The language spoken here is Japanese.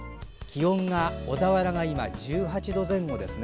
気温が小田原が今１８度前後です。